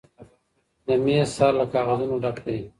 د میز سر له کاغذونو ډک دی.